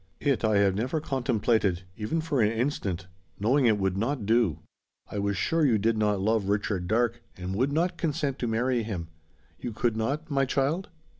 It I have never contemplated, even for an instant, knowing it would not do. I was sure you did not love Richard Darke, and would not consent to marry him. You could not, my child?"